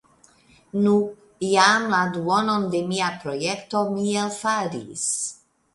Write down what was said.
Nu, jam la duonon de mia projekto mi elfaris.